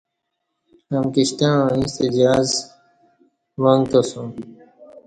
امکی شتعاں ییں تہ جہاز و نگتاسُوم